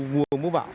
mưa mưa bão